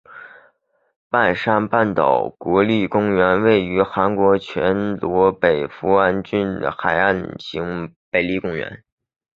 边山半岛国立公园是位于韩国全罗北道扶安郡的海岸型国立公园。